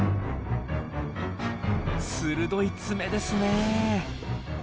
鋭い爪ですね！